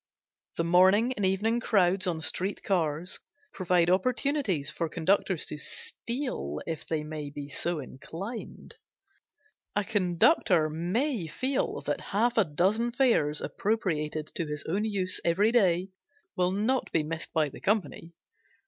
The morning and evening crowds on street cars provide opportunities for conductors to steal, if they may be so inclined. A conductor may feel that half a dozen fares appropriated to his own use every day will not be missed by the company.